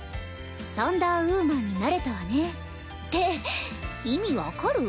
「サンダーウーマンになれたわね」って意味分かる？